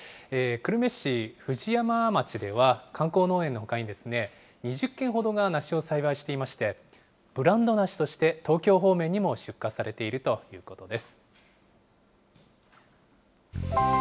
久留米市藤山町では、観光農園のほかに２０軒ほどが梨を栽培していまして、ブランド梨として、東京方面にも出荷されているということです。